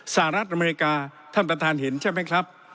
สหรัฐอเมริกาท่านประธานเห็นใช่ไหมครับ